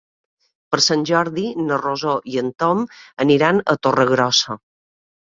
Per Sant Jordi na Rosó i en Tom aniran a Torregrossa.